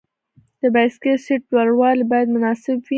د بایسکل سیټ لوړوالی باید مناسب وي.